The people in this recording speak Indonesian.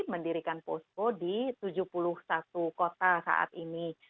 mendirikan posko di tujuh puluh satu kota saat ini